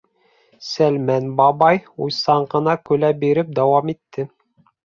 Сәлмән бабай уйсан ғына көлә биреп дауам итте: